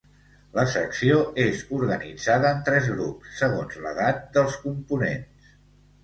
La secció és organitzada en tres grups segons l'edat dels components.